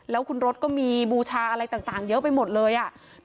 แล้วคุณรถก็มีบูชาอะไรต่างเยอะไปหมดเลยอ่ะ